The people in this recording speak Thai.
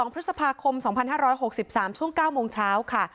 ๒พฤษภาคม๒๕๖๓ช่วง๙โมงเช้าค่ะ